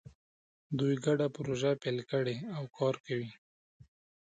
دوی ګډه پروژه پیل کړې او کار کوي